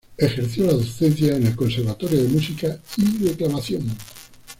Ejerció la docencia en el Conservatorio de música y Declamación.